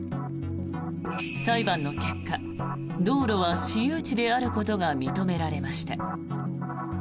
裁判の結果道路は私有地であることが認められました。